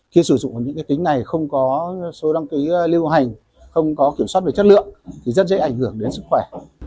khi sử dụng những tính này không có số đăng ký lưu hành không có kiểm soát về chất lượng thì rất dễ ảnh hưởng đến sức khỏe